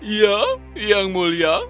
ya yang mulia